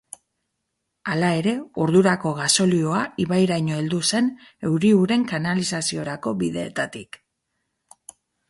Hala ere, ordurako gasolioa ibairaino heldu zen euri-uren kanalizaziorako bideetatik.